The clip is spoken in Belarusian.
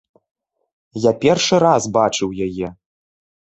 Я першы раз бачыў яе.